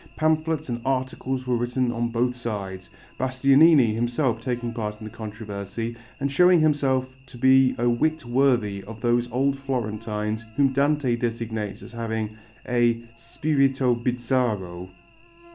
Pamphlets and articles were written on both sides, Bastianini himself taking part in the controversy and showing himself to be a wit worthy of those old Florentines whom Dante designates as having a "spirito bizzarro."